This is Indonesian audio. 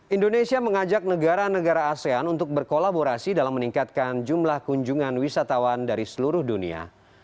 indonesia mengajak negara negara asean untuk berkolaborasi dalam meningkatkan jumlah kunjungan wisatawan dari seluruh dunia